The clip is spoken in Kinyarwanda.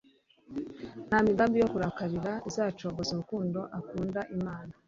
nta migambi yo kurarikira izacogoza urukundo akunda imana